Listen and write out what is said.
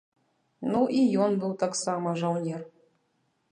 Ну, і ён быў таксама жаўнер.